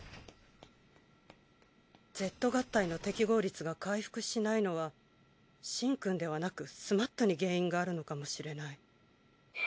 Ｚ合体の適合率が回復しないのはシンくんではなくスマットに原因があるのかもしれない。